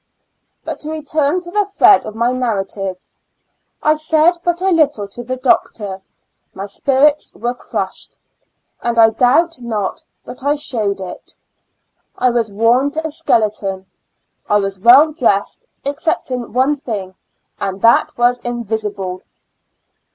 But to return to the thread of my narra tive. I said but little to the doctor ; my spirits were crushed, and I doubt not but I showed it ; I was worn to a skeleton ; 1 was well dressed, excepting one thing, and that was invisible.